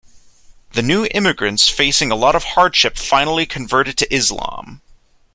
The new immigrants facing a lot of hardship finally converted to Islam.